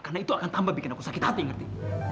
karena itu akan tambah bikin aku sakit hati ngerti